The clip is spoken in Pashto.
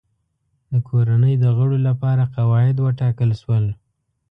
د کورنۍ د غړو لپاره قواعد وټاکل شول.